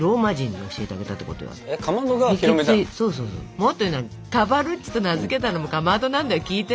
もっと言うなら「カバルッチ」と名付けたのもかまどなんだよ聞いて。